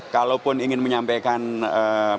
kalau pun ingin menyampaikan simpati